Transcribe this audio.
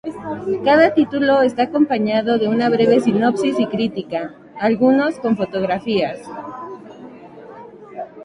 Cada título está acompañado de una breve sinopsis y crítica, algunos con fotografías.